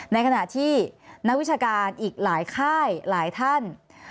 ในขณะที่นักวิชาการอีกหลายค่ายหลายท่าน